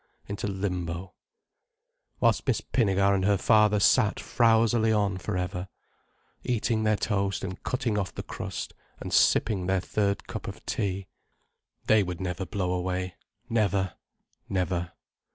Into Limbo. Whilst Miss Pinnegar and her father sat frowsily on for ever, eating their toast and cutting off the crust, and sipping their third cup of tea. They would never blow away—never, never.